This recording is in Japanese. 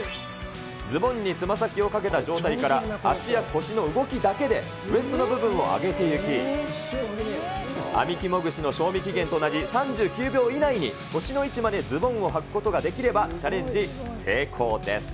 ズボンにつま先をかけた状態から、足や腰の動きだけでウエストの部分を上げていき、あみ肝串の賞味期限と同じ３９秒以内に腰の位置までズボンをはくことができれば、チャレンジ成功です。